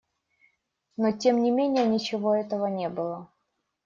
Но тем не менее ничего этого не было.